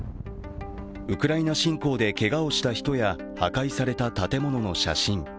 ウクライナ侵攻でけがをした人や、破壊された建物の写真。